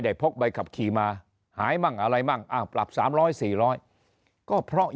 พกใบขับขี่มาหายมั่งอะไรมั่งอ้าวปรับ๓๐๐๔๐๐ก็เพราะ